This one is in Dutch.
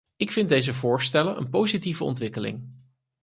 Ik vind deze voorstellen een positieve ontwikkeling.